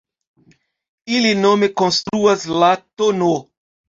Ili nome konstruas la tn.